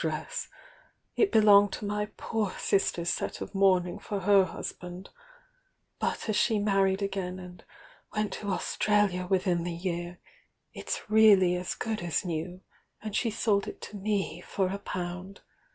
dress; it beknged to my poor sister's set of mourning for her husband, but as she married again and went to Australia wiUim the year, it's really as good aa new, and she sold It to me for a pound.